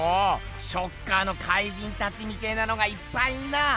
ショッカーの怪人たちみてぇなのがいっぱいいんなぁ！